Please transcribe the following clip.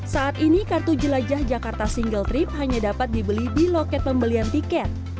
saat ini kartu jelajah jakarta single trip hanya dapat dibeli di loket pembelian tiket